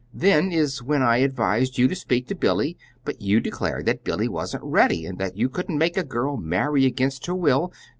Then is when I advised you to speak to Billy; but you declared that Billy wasn't ready, and that you couldn't make a girl marry against her will.